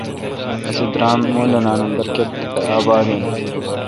اسی درام مولینان ام برکت دے اباد این۔